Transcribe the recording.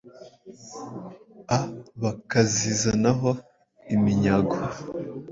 a bakazizanaho iminyago.